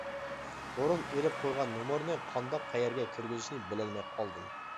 بۇرۇن ئېلىپ قويغان نومۇرنى قانداق قەيەرگە كىرگۈزۈشنى بىلەلمەي قالدىم.